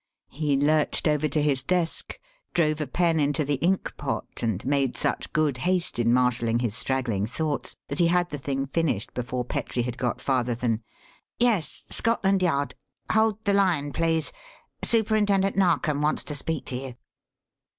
He lurched over to his desk, drove a pen into the ink pot, and made such good haste in marshalling his straggling thoughts that he had the thing finished before Petrie had got farther than "Yes; Scotland Yard. Hold the line, please; Superintendent Narkom wants to speak to you."